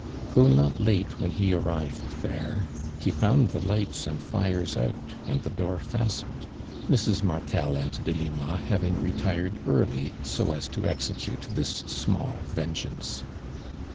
Though not late when he arrived there, he found the lights and tires out and i he door fastened, Mrs. Martel and Delima having retired early, so as to execute this small vengeance.